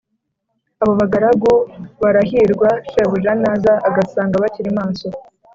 Abo bagaragu barahirwa shebuja naza agasanga bakiri maso